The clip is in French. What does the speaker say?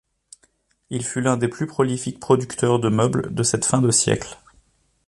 Il fut l’un des plus prolifiques producteurs de meubles de cette fin de siècle.